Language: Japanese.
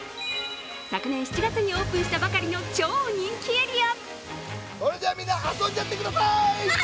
昨年７月にオープンしたばかりの超人気エリア。